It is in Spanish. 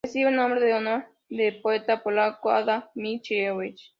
Recibe el nombre en honor del poeta polaco Adam Mickiewicz.